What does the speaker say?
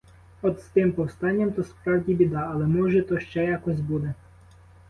От з тим повстанням, то справді біда, але, може, то ще якось буде.